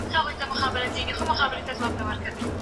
د نبي کریم فرمان پر سر سترګو منو.